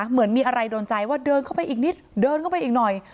เหมือนมีอะไรโดนใจว่าเดินเข้าไปอีกนิดเดินเข้าไปอีกหน่อย